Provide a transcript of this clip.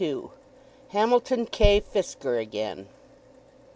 HAMILTON K. FISKER AGAIN.